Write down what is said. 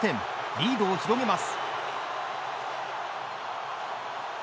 リードを広げます。